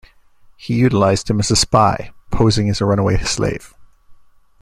He utilized him as a spy, posing as a runaway slave.